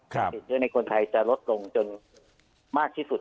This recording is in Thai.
ติดเชื้อในคนไทยจะลดลงจนมากที่สุด